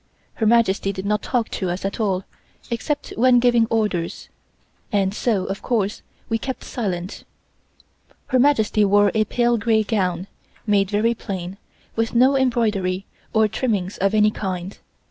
Her Majesty did not talk to us at all, except when giving orders, and so, of course, we kept silent. Her Majesty wore a pale gray gown, made very plain, with no embroidery or trimmings of any kind.